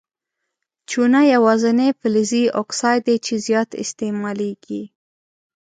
چونه یوازیني فلزي اکساید دی چې زیات استعمالیږي.